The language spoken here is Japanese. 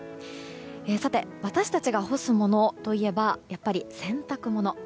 さて、私たちが干すものといえばやっぱり洗濯物。